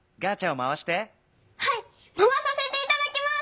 まわさせていただきます！